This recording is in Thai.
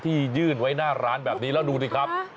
ที่ยื่นไว้หน้าร้านแบบนี้แล้วดูดิครับ